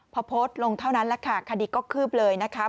พอโพสต์ลงเท่านั้นแหละค่ะคดีก็คืบเลยนะคะ